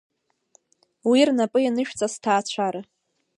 Уи рнапы ианышәҵа сҭаацәара.